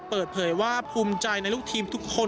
เปิดเผยว่าภูมิใจในลูกทีมทุกคน